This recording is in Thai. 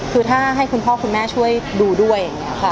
คือถ้าให้คุณพ่อคุณแม่ช่วยดูด้วยอย่างนี้ค่ะ